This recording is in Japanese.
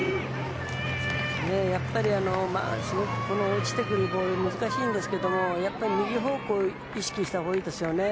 やっぱり落ちてくるボール難しいんですけど右方向を意識したほうがいいですよね。